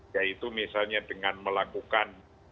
ya itu misalnya dengan melakukan